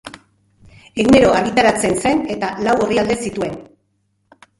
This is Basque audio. Egunero argitaratzen zen eta lau orrialde zituen.